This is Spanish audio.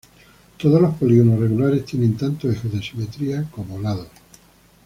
Todos los polígonos regulares tienen tantos ejes de simetría como lados.